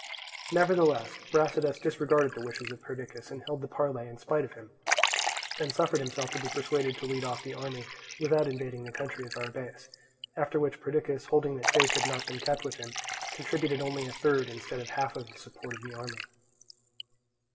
Nevertheless Brasidas disregarded the wishes of Perdiccas and held the parley in spite of him, and suffered himself to be persuaded to lead off the army without invading the country of Arrhabaeus; after which Perdiccas, holding that faith had not been kept with him, contributed only a third instead of half of the support of the army.